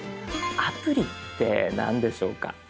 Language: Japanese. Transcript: アプリって何でしょうか？